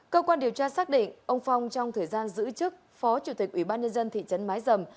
cơ quan điều tra xác định ông phong trong thời gian giữ chức phó chủ tịch ủy ban nhân dân thị trấn mái dầm